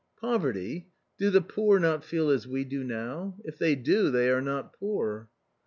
" Poverty ! do the poor not feel as we do now ; if they do, they are not poor."